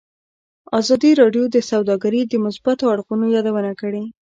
ازادي راډیو د سوداګري د مثبتو اړخونو یادونه کړې.